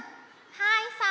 はいさい。